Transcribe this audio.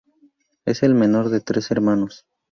Es el menor de tres hermanos.